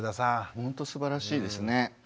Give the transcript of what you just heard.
ほんとすばらしいですね。